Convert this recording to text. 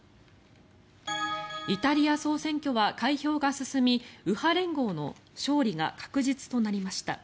イタリア総選挙は開票が進み右派連合の勝利が確実となりました。